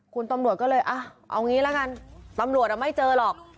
คุณตำรวจก็เลยเอางี้ละกันตำรวจไม่เจอหรอก